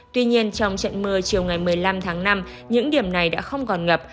tuy nhiên trong trận mưa chiều ngày một mươi năm tháng năm những điểm này đã không còn ngập